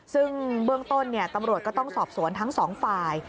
ซึ่งเบื้องต้นตำรวจก็ต้องสอบสวนทั้งสองฝ่าย